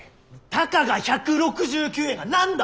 たかが１６９円が何だ！